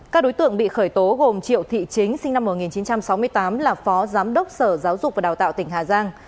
các đối tượng bị khởi tố gồm triệu thị chính sinh năm một nghìn chín trăm sáu mươi tám là phó giám đốc sở giáo dục và đào tạo tỉnh hà giang